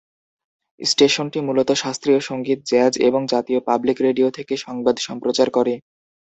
স্টেশনটি মূলত শাস্ত্রীয় সংগীত, জ্যাজ এবং জাতীয় পাবলিক রেডিও থেকে সংবাদ সম্প্রচার করে।